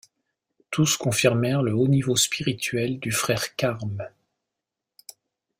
Tous confirmèrent le haut niveau spirituel du frère carme.